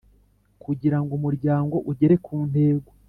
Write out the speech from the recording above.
Kugira ngo Umuryango ugere ku ntego